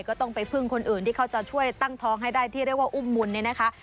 ก็ต้องไปพึ่งคนอื่นที่เขาจะช่วยตั้งท้องให้ได้ที่เรียกว่าอุ้มบุญเนี่ยนะคะ